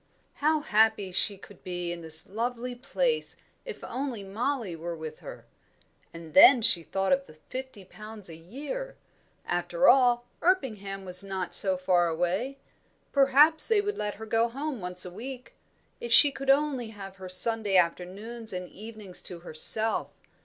How happy she could be in this lovely place if only Mollie were with her! And then she thought of the fifty pounds a year. After all, Erpingham was not so far away. Perhaps they would let her go home once a week. If she could only have her Sunday afternoons and evenings to herself!